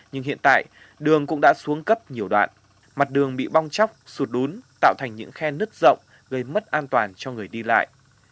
nhưng hiện tại đường cũng đã xuống cấp nhiều đoạn mặt đường bị bong chóc sụt lún tạo thành những khe nứt rộng gây mất an toàn cho người đi lại